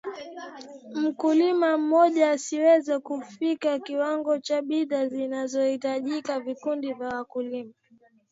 mkulima mmoja asiweze kufika kiwango cha bidhaa zinazohitajika Vikundi vya wakulima